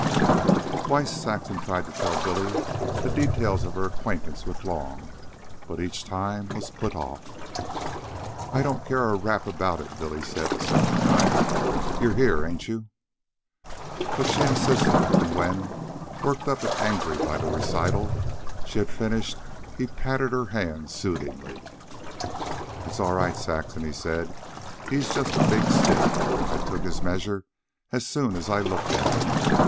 Twice Saxon tried to tell Billy the details of her acquaintance with Long, but each time was put off. "I don't care a rap about it," Billy said the second time. "You're here, ain't you?" But she insisted, and when, worked up and angry by the recital, she had finished, he patted her hand soothingly. "It's all right, Saxon," he said. "He's just a big stiff. I took his measure as soon as I looked at him.